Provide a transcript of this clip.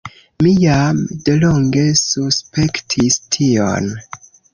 Mi jam delonge suspektis tion.